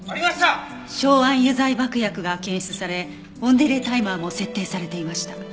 硝安油剤爆薬が検出されオンディレータイマーも設定されていました。